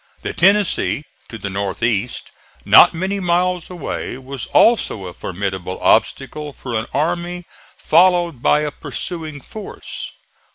The Tennessee, to the north east, not many miles away, was also a formidable obstacle for an army followed by a pursuing force.